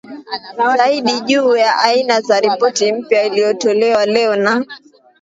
zaidi juu ya aina za Ripoti mpya iliyotolewa leo na